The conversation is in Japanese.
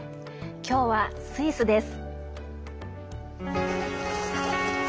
今日はスイスです。